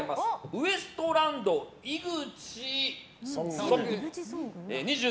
ウエストランド井口。